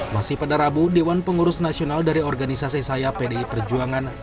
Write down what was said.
masih pada rabu dewan pengurus nasional dari organisasi saya pdi perjuangan